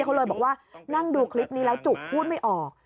เขาเลยบอกว่านั่งดูคลิปนี้แล้วจุกพูดไม่ออก